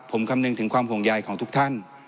ผมคำนึงถึงความภูมิใหญ่ของทุกท่าน